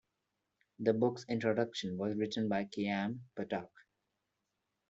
The book's introduction was written by Chaim Potok.